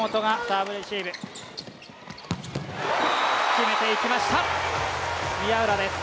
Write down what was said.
決めていきました宮浦です。